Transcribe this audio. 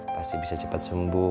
pasti bisa cepet sembuh